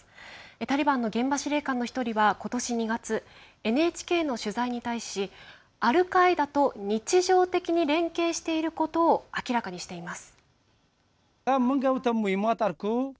タリバンの現場司令官の１人はことし２月、ＮＨＫの取材に対しアルカイダと日常的に連携していることを明らかにしています。